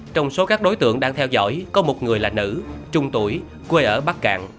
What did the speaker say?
trong số các đối tượng đang theo dõi có một người là nữ trung tuổi quê ở bắc cạn